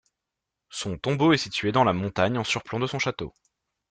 Son tombeau est situé dans la montagne en surplomb de son château.